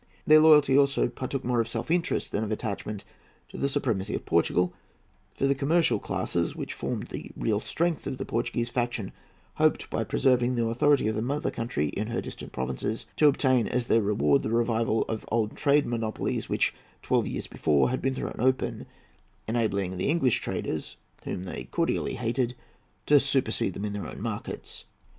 Their loyalty also partook more of self interest than of attachment to the supremacy of Portugal; for the commercial classes, which formed the real strength of the Portuguese faction, hoped, by preserving the authority of the mother country in her distant provinces, to obtain as their reward the revival of old trade monopolies which, twelve years before, had been thrown open, enabling the English traders—whom they cordially hated—to supersede them in their own markets.